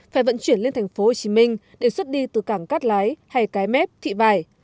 phải vận chuyển lên thành phố hồ chí minh để xuất đi từ cảng cát lái hay cái mép thị bài